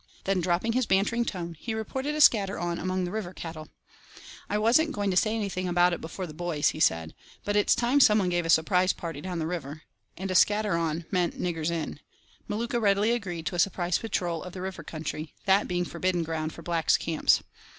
Then dropping his bantering tone, he reported a scatter on among the river cattle. "I wasn't going to say anything about it before the 'boys,'" he said, "but it's time some one gave a surprise party down the river;" and a "scatter on" meaning "niggers in," Maluka readily agreed to a surprise patrol of the river country, that being forbidden ground for blacks' camps.